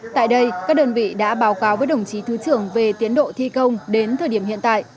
tại đây các đơn vị đã báo cáo với đồng chí thứ trưởng về tiến độ thi công đến thời điểm hiện tại